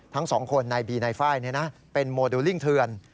ทั้งสองคนในบีนายไฟล์เป็นโมเดลลิ่งเทือน